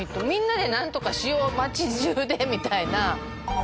みんなでなんとかしよう街中でみたいな。